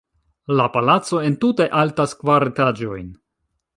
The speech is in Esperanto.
La palaco entute altas kvar etaĝojn.